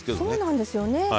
そうなんですよね。